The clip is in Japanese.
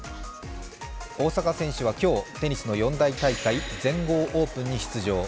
大坂選手は今日、テニスの四大大会全豪オープンに出場。